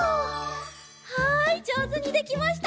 はいじょうずにできました！